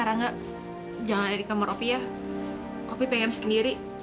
jangan ada di kamar opi ya opi pengen sendiri